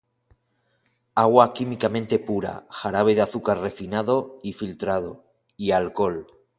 Agua químicamente pura, jarabe de azúcar refinado y filtrado, y alcohol.